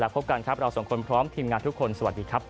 พบกันครับเราสองคนพร้อมทีมงานทุกคนสวัสดีครับ